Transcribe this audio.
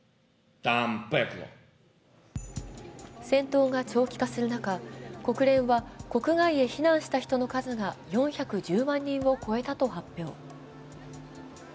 戦闘が長期化する中、国連は国外へ避難した人の数が４１０万人を超えたと発表。